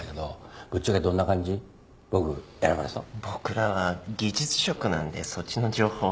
僕らは技術職なんでそっちの情報は。